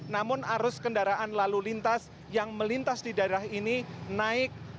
namun arus kendaraan lalu lintas yang melintas di daerah ini naik